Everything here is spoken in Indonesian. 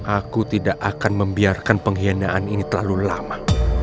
aku tidak akan membiarkan pengkhianaan ini terlalu lama